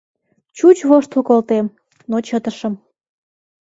Чуч воштыл колтем, но чытышым.